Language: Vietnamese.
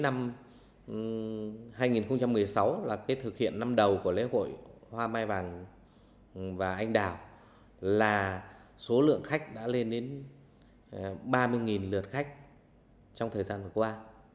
năm đầu thì có thể nói là số lượng ít nhưng đến năm hai nghìn một mươi sáu là kết thực hiện năm đầu của lễ hội hoa mai vàng và anh đào là số lượng khách đã lên đến ba mươi lượt khách trong thời gian vừa qua